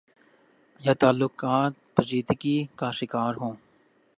یا تعلقات پیچیدگی کا شکار ہوں۔۔